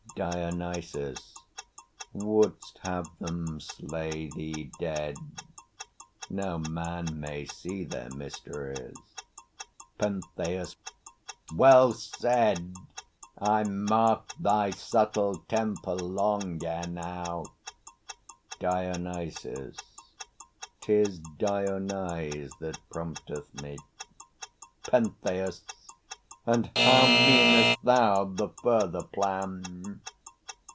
DIONYSUS. Wouldst have them slay thee dead? No man may see their mysteries. PENTHEUS. Well said! I marked thy subtle temper long ere now. DIONYSUS. 'Tis Dionyse that prompteth me. PENTHEUS. And how Mean'st thou the further plan?